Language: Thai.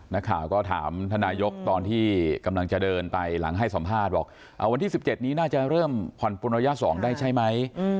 นักข่าวก็ถามท่านนายกตอนที่กำลังจะเดินไปหลังให้สัมภาษณ์บอกวันที่๑๗นี้น่าจะเริ่มผ่อนปนระยะ๒ได้ใช่ไหม